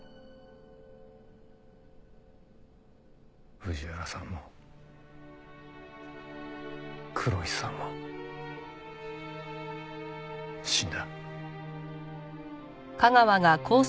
藤原さんも黒石さんも死んだ。